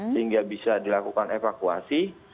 sehingga bisa dilakukan evakuasi